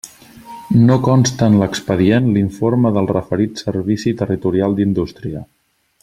No consta en l'expedient l'informe del referit Servici Territorial d'Indústria.